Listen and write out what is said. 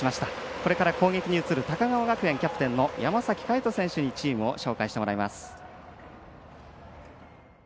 これから攻撃に移る高川学園、キャプテンの山崎帆大選手にチームを紹介してもらいます。